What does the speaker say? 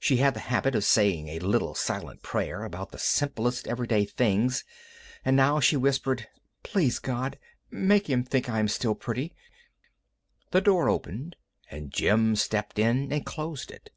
She had a habit of saying a little silent prayer about the simplest everyday things, and now she whispered: "Please God, make him think I am still pretty." The door opened and Jim stepped in and closed it.